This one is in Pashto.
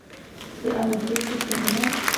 د اندازې سیسټمونه